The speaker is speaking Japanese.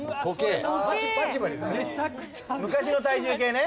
昔の体重計ね。